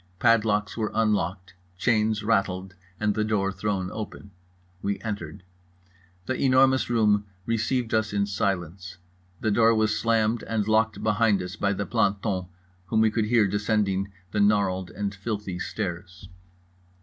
Padlocks were unlocked, chains rattled, and the door thrown open. We entered. The Enormous Room received us in silence. The door was slammed and locked behind us by the planton, whom we could hear descending the gnarled and filthy stairs.